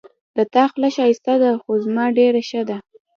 د تا خوله ښایسته ده خو زما ډېره ښه ده